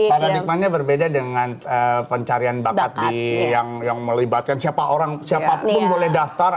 jadi memang mungkin paradigmannya berbeda dengan pencarian bakat yang melibatkan siapa orang siapapun boleh daftar